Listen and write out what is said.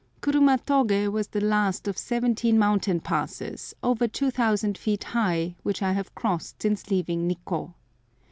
Kurumatogé was the last of seventeen mountain passes, over 2000 feet high, which I have crossed since leaving Nikkô.